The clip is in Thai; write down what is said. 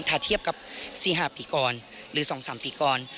ถ้าเทียบกับ๔๕ปีก่อนหรือ๒๓ปีก่อน